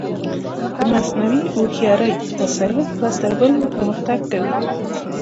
د مصنوعي هوښیارۍ وسایل ورځ تر بلې پرمختګ کوي.